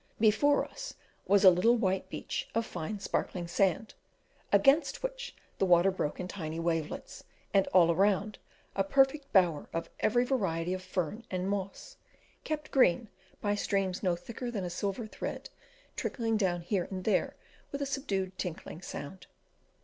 Before us was a little white beach of fine sparkling sand, against which the water broke in tiny wavelets, and all around a perfect bower of every variety of fern and moss, kept green by streams no thicker than a silver thread trickling down here and there with a subdued tinkling sound.